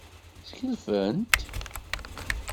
Sgelfent.